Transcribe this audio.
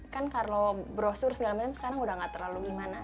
kan kalau brosur segala macam sekarang udah gak terlalu gimana